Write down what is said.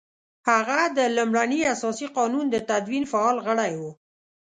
هغه د لومړني اساسي قانون د تدوین فعال غړی وو.